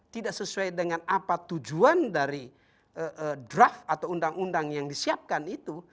tidak sesuai dengan apa tujuan dari draft atau undang undang yang disiapkan itu